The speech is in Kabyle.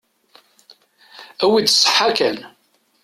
Awi-d ṣṣeḥḥa kan.